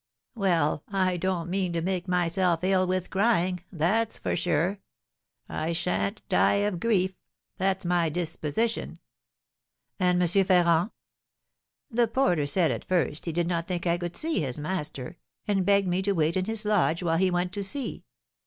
Well, I don't mean to make myself ill with crying, that's very sure. I sha'n't die of grief, that's my disposition.'" "And M. Ferrand?" "The porter said at first he did not think I could see his master, and begged me to wait in his lodge while he went to see.